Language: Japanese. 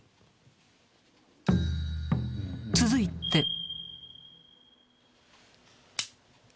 ［続いて］